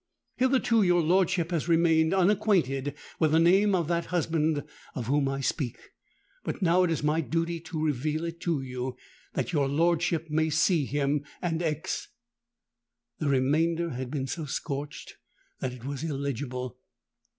Hitherto your lordship has remained unacquainted with the name of that husband of whom I speak; but now it is my duty to reveal it to you, that your lordship may see him and ex——' "The remainder had been so scorched that it was illegible.